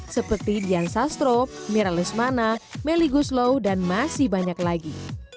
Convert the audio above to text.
seperti dian sastro mira lesmana melly guslo dan masih banyak lagi